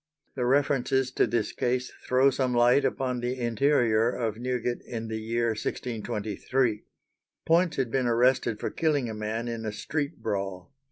The references to this case throw some light upon the interior of Newgate in the year 1623. Poyntz had been arrested for killing a man in a street brawl.